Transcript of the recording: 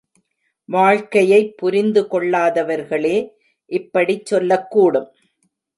வாழ்க்கையைப் புரிந்து கொள்ளாதவர்களே இப்படிச் சொல்லக் கூடும்.